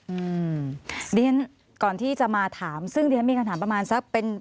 อืมเรียนก่อนที่จะมาถามซึ่งดิฉันมีคำถามประมาณสักเป็น